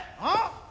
ああ？